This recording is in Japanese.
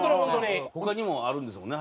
他にもあるんですもんね